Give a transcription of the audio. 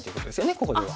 ここでは。